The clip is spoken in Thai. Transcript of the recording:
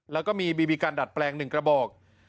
แล้วก็มีบีบีกันดัดแปลง๑กระบอก